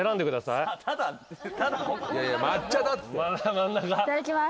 いただきます。